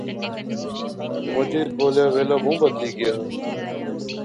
مجید بولیا ویلا بہوں بدلی گیا